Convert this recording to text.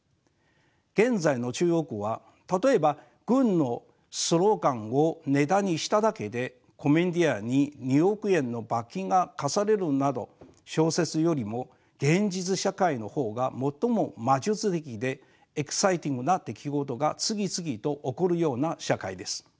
現在の中国は例えば軍のスローガンをネタにしただけでコメディアンに２億円の罰金が科されるなど小説よりも現実社会の方が最も魔術的でエキサイティングな出来事が次々と起こるような社会です。